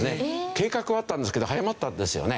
計画はあったんですけど早まったんですよね。